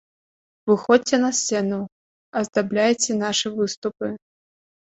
Выходзьце на сцэну, аздабляйце нашы выступы.